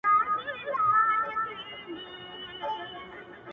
زه به روغ جوړ سم زه به مست ژوندون راپيل كړمه;